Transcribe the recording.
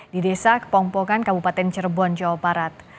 di desa kepompokan kabupaten cirebon jawa barat